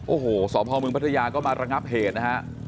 โอ้โหสวพาวเมืองปัจจัยาก็มาระงับเหตุนะฮะ